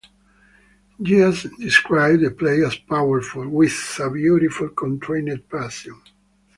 Yeats described the play as powerful with a beautiful constrained passion.